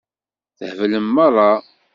Theblem meṛṛa.